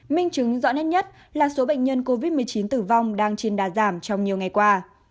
minh chứng rõ nét nhất là số bệnh nhân covid một mươi chín tử vong đang trên đà giảm trong nhiều ngày qua